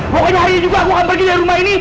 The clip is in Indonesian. pokoknya hari ini juga aku akan pergi dari rumah ini